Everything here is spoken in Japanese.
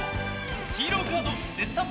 ヒーローカード絶賛募集中！